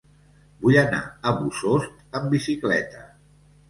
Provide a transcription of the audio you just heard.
Vull anar a Bossòst amb bicicleta.